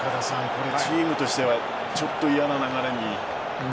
これチームとしてはちょっと嫌な流れに。